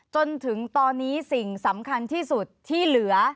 จนถึงตอนนี้สิ่งสำคัญที่สุดที่เหลือ